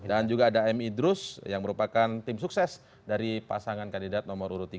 dan juga ada m idrus yang merupakan tim sukses dari pasangan kandidat nomor urut tiga